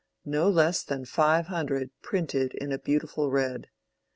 No less than five hundred printed in a beautiful red.